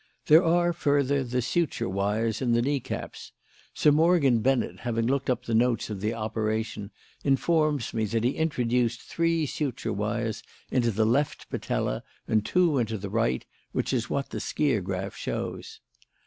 There are, further, the suture wires in the knee caps; Sir Morgan Bennet, having looked up the notes of the operation, informs me that he introduced three suture wires into the left patella and two into the right; which is what the skiagraph shows.